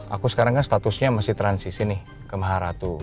aku sekarang kan statusnya masih transisi nih ke maharatu